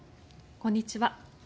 こんにちは。